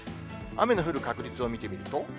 雨の降る確率を見てみると。